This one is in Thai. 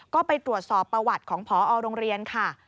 ก็ไปตรวจสอบประวัติของพอโรงเรียนค่ะ